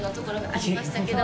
ありましたけど。